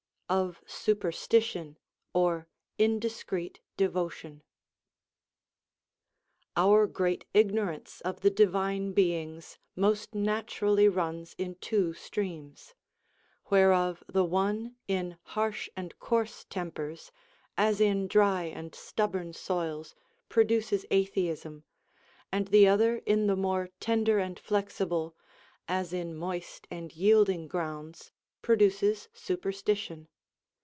OF SUPERSTITION OR INDISCREET DEVOTION. 1. Our great ignorance of the Divine Beings most natu rally runs in two streams ; whereof the one in harsh and coarse tempers, as in dry and stubborn soils, produces atheism, and the other in the more tender and flexible, as in moist and yielding grounds, produces superstition.